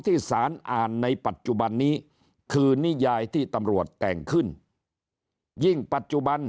ที่สารอ่านในปัจจุบันนี้คือนิยายที่ตำรวจแต่งขึ้นยิ่งปัจจุบัน